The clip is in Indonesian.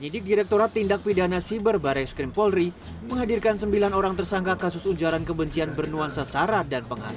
satunya jadi keempat